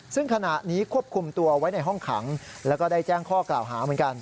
ซึ่งขณะนี้ควบคุมตัวไว้ในห้องขังแล้วก็ได้แจ้งข้อกล่าวหาเหมือนกัน